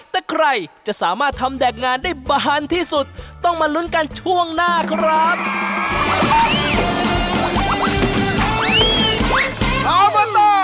แต่ใครจะสามารถทำแดกงานได้บานที่สุดต้องมาลุ้นกันช่วงหน้าครับ